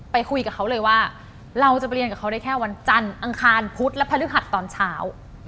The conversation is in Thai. ไปคุยกับเขาเลยว่าเราจะไปเรียนกับเขาได้แค่วันจันทร์อังคารพุธและพฤหัสตอนเช้า